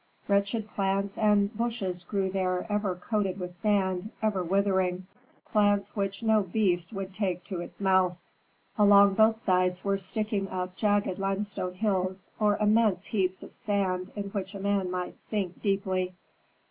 Wretched plants and bushes grew there ever coated with sand, ever withering, plants which no beast would take to its mouth. Along both sides were sticking up jagged limestone hills, or immense heaps of sand in which a man might sink deeply.